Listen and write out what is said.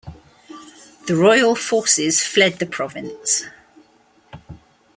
The royal forces fled the province.